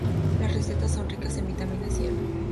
Las recetas son ricas en vitaminas, hierro.